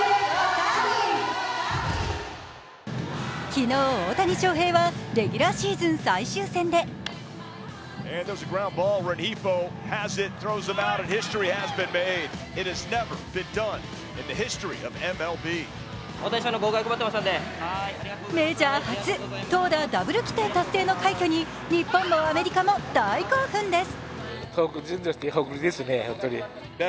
昨日、大谷翔平はレギュラーシーズン最終戦でメジャー初、投打ダブル規定達成の快挙に日本もアメリカも大興奮です。